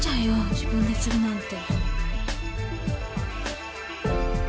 自分でするなんて